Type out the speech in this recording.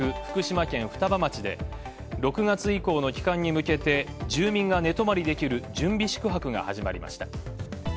福島県双葉町で６月以降の帰還に向けて住民が寝泊まりできる準備宿泊が始まりました。